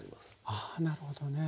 ああなるほどねえ。